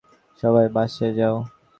সবাই বাসায় যাও!